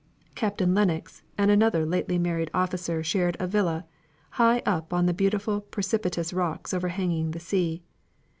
Captain Lennox and another lately married officer shared a villa, high up on the beautiful precipitous rocks overhanging the sea.